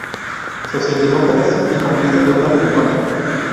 Socialdemócratas y comunistas votaron en contra.